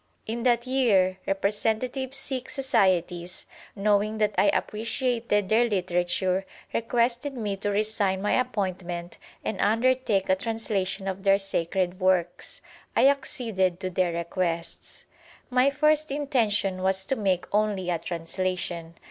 In that year representative Sikh societies, knowing that I appreciated their litera ture, requested me to resign my appointment and undertake a translation of their sacred works. I acceded to their requests. My first intention was to make only a translation.